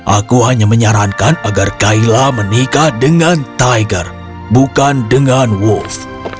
aku hanya menyarankan agar kayla menikah dengan tiger bukan dengan wolf